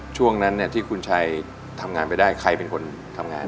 ช่วงนั้นที่คุณชัยทำงานไปได้ใครเป็นคนทำงาน